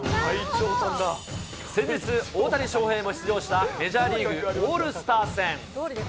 先日、大谷翔平も出場したメジャーリーグ・オールスター戦。